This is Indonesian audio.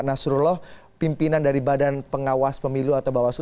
nasrullah pimpinan dari badan pengawas pemilu atau bawaslu